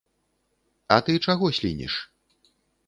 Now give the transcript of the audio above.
А ты чаго слініш?